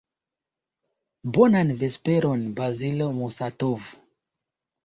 Bonan vesperon, Bazilo Musatov.